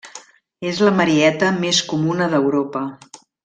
És la marieta més comuna d'Europa.